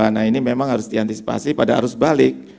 nah ini memang harus diantisipasi pada arus balik